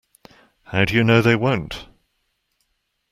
How do you know they won't?